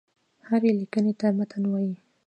هري ليکني ته متن وايي.